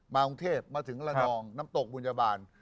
กรุงเทพมาถึงระนองน้ำตกบุญญาบาล